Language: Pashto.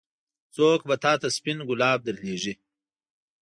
څوک به تا ته سپين ګلاب درلېږي.